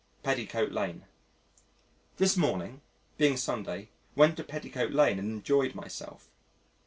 Petticoat Lane This morning, being Sunday, went to Petticoat Lane and enjoyed myself.